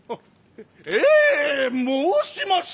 ええ申しました！